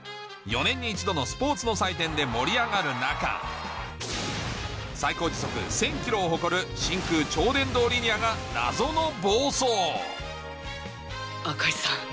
４年に１度のスポーツの祭典で盛り上がる中最高時速１０００キロを誇る真空超電導リニアが謎の暴走赤井さん